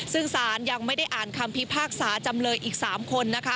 ซึ่งสารยังไม่ได้อ่านคำพิพากษาจำเลยอีก๓คนนะคะ